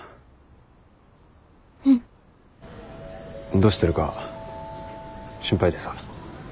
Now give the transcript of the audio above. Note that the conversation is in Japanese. どうしてるか心配でさ。